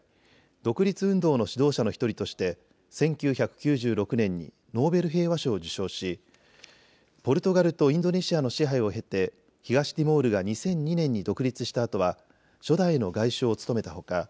独立運動の指導者の１人として１９９６年にノーベル平和賞を受賞し、ポルトガルとインドネシアの支配を経て東ティモールが２００２年に独立したあとは初代の外相を務めたほか